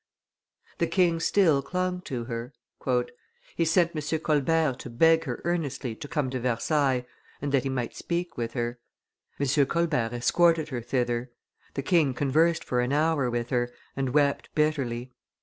The king still clung to her. "He sent M. Colbert to beg her earnestly to come to Versailles, and that he might speak with her. M. Colbert escorted her thither; the king conversed for an hour with her, and wept bitterly.